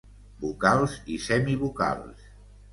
Vocals i Semivocals.